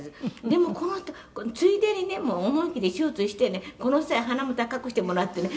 「でもこうなるとついでにねもう思い切って手術してねこの際鼻も高くしてもらってね